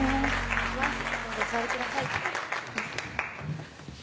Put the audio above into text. どうぞお座りください